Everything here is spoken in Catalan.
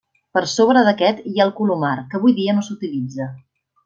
Per sobre d'aquest hi ha el colomar, que avui dia no s'utilitza.